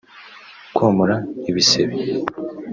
komora ibisebe